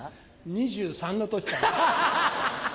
２３の時かな。